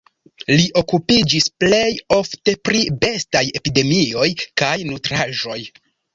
Li okupiĝis plej ofte pri bestaj epidemioj kaj nutraĵoj.